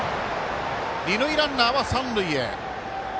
二塁ランナーは三塁へ。